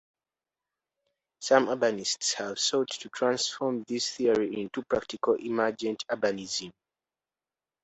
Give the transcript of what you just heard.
Some urbanists have sought to transform this theory into a practical emergent urbanism.